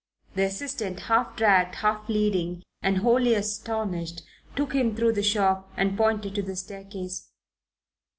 The assistant, half dragged, half leading, and wholly astonished, took him through the shop and pointed to the staircase.